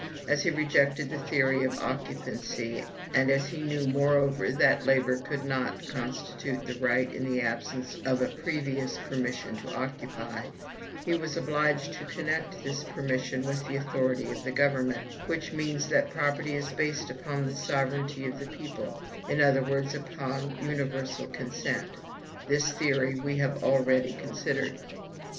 As he rejected the theory of occupancy, and as he knew, moreover, that labor could not constitute the right in the absence of a previous permission to occupy, he was obliged to connect this permission with the authority of the government, which means that property is based upon the sovereignty of the people; in other words, upon universal consent. This theory we have already considered.